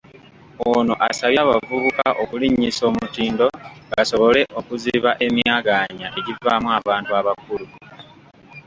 Ono asabye abavubuka okulinnyisa omutindo basobole okuziba emyaganya egivaamu abantu abakulu.